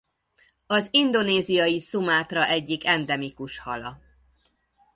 Az indonéziai Szumátra egyik endemikus hala.